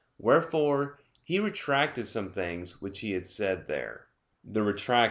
Wherefore he retracted some things which he had said there (Retrac.